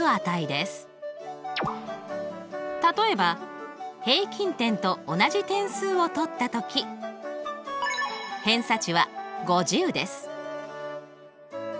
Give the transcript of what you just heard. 例えば平均点と同じ点数を取った時偏差値は５０です。